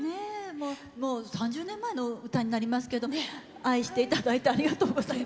３０年前の歌になりますけど愛していただいてありがとうございます。